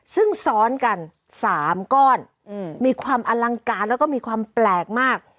ซึ่งซ้อนกัน๓ก้อนมีความอลังการแล้วก็มีความแปลกมาก